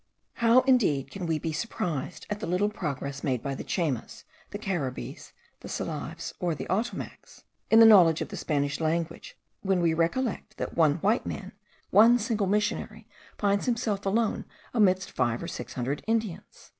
How indeed can we be surprised at the little progress made by the Chaymas, the Caribbees, the Salives, or the Otomacs, in the knowledge of the Spanish language, when we recollect that one white man, one single missionary, finds himself alone amidst five or six hundred Indians?